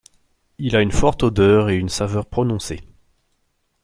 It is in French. Il a une forte odeur et une saveur prononcée.